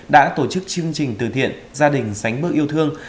đã tổ chức chương trình từ thiện gia đình sánh bước yêu thương